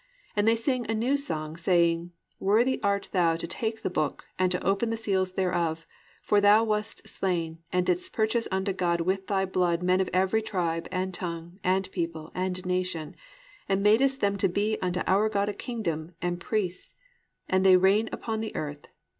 And they sing a new song, saying, Worthy art thou to take the book and to open the seals thereof: for thou wast slain, and didst purchase unto God with thy blood men of every tribe, and tongue, and people, and nation, and madest them to be unto our God a kingdom and priests; and they reign upon the earth.